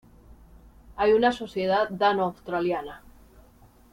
Hay una Sociedad Dano-Australiana.